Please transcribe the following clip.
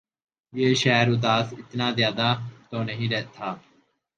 یہ شہر اداس اتنا زیادہ تو نہیں تھا